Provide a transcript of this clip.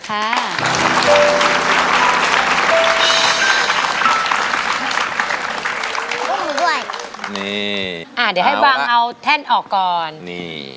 เดี๋ยวให้บางเอาแท่นออกก่อน